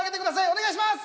お願いします。